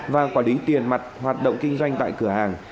và quản lý tiền mặt hoạt động kinh doanh tại cửa hàng